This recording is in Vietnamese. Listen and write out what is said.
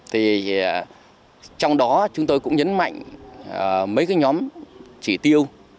trong đó chúng tôi cũng nhấn mạnh mấy nhóm chỉ tiêu